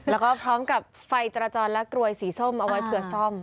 แล้วก็พร้อมกับไฟจราจรและกรวยสีส้มเอาไว้เผื่อซ่อม